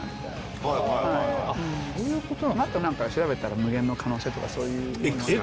はいはいはいあとなんか調べたら無限の可能性とかそういうＸがね